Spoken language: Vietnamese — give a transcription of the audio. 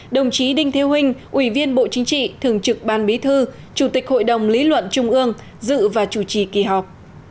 đồng chí đinh thiêu huynh ủy viên bộ chính trị thường trực ban bí thư chủ tịch hội đồng lý luận trung ương dự và chủ trì kỳ họp